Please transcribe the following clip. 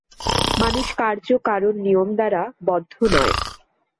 মানুষ কার্য-কারণ-নিয়ম দ্বারা বদ্ধ নয়।